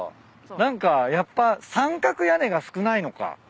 何かやっぱ三角屋根が少ないのか。